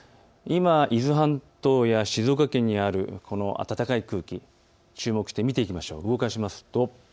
今、伊豆半島や静岡県にあるこの暖かい空気、注目して見ていきましょう。